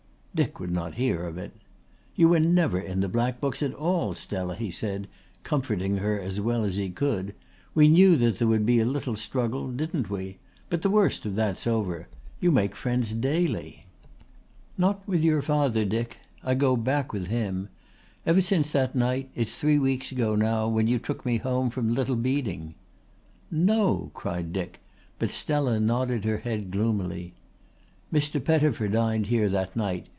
Dick would not hear of it. "You were never in the black books at all, Stella," he said, comforting her as well as he could. "We knew that there would be a little struggle, didn't we? But the worst of that's over. You make friends daily." "Not with your father, Dick. I go back with him. Ever since that night it's three weeks ago now when you took me home from Little Beeding." "No," cried Dick, but Stella nodded her head gloomily. "Mr. Pettifer dined here that night.